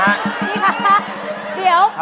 นี่ค่ะเดี๋ยว